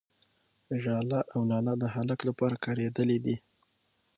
، ژاله او لاله د هلک لپاره کارېدلي دي.